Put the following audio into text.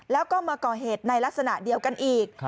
แล้วก็มาก่อเหตุในลักษณะเดียวกันอีก